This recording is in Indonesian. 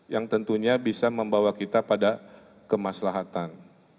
yang tentunya bisa membawa kita pada kemaslahatan